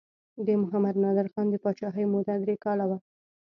د محمد نادر خان د پاچاهۍ موده درې کاله وه.